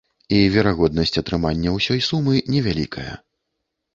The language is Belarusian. І верагоднасць атрымання ўсёй сумы невялікая.